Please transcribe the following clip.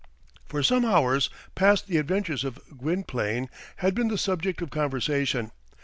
For some hours past the adventures of Gwynplaine had been the subject of conversation.